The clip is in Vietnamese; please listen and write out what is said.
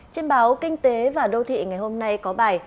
trên báo kinh tế và đô thị ngày hôm nay có bài